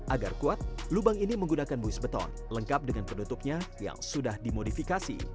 agar kuat lubang ini menggunakan buis beton lengkap dengan penutupnya yang sudah dimodifikasi